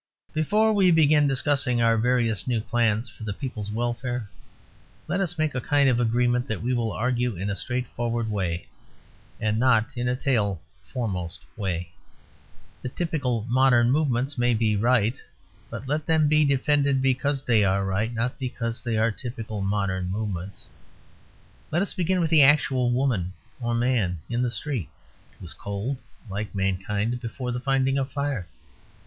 Before we begin discussing our various new plans for the people's welfare, let us make a kind of agreement that we will argue in a straightforward way, and not in a tail foremost way. The typical modern movements may be right; but let them be defended because they are right, not because they are typical modern movements. Let us begin with the actual woman or man in the street, who is cold; like mankind before the finding of fire.